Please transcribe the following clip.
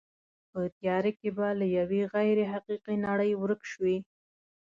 په تیاره کې به له یوې غیر حقیقي نړۍ ورک شوې.